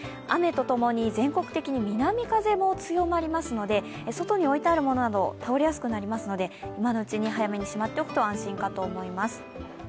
雨とともに全国的に南風も強まりますので外に置いてあるものなど倒れやすくなりますので今のうちに、早めにしまっておくと安心かと思います。